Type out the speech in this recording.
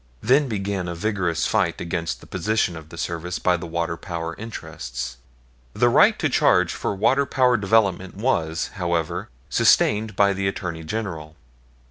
Then began a vigorous fight against the position of the Service by the water power interests. The right to charge for water power development was, however, sustained by the Attorney General.